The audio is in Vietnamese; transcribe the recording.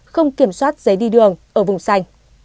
không kiểm soát giấy đi đường ở vùng xanh